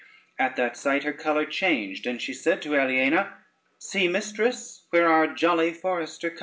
At that sight her color changed, and she said to Aliena: "See, mistress, where our jolly forester comes."